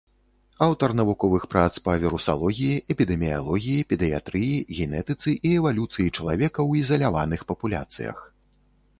Аўтар навуковых прац па вірусалогіі, эпідэміялогіі, педыятрыі, генетыцы і эвалюцыі чалавека ў ізаляваных папуляцыях.